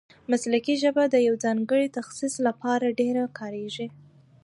مسلکي ژبه د یوه ځانګړي تخصص له پاره ډېره کاریږي.